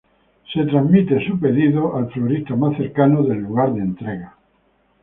Su pedido está transmitido al florista más cercano del lugar de entrega.